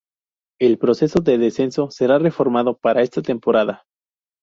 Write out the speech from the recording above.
El proceso de descenso será reformado para esta temporada.